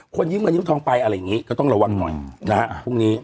ยืมเงินยืมทองไปอะไรอย่างนี้ก็ต้องระวังหน่อยนะฮะพรุ่งนี้